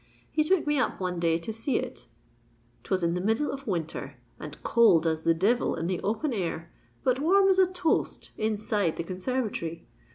He took me up one day to see it: 'twas in the middle of winter, and cold as the devil in the open air—but warm as a toast inside the conservatory.